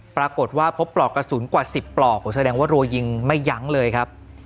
ปรากฏว่าพบปลอกกระสุนกว่า๑๐ปลอกแสดงว่ารัวยิงไม่ยั้งเลยครับ